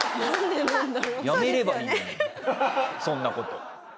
やめればいいのにそんな事。